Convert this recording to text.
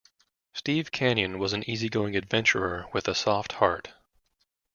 Steve Canyon was an easygoing adventurer with a soft heart.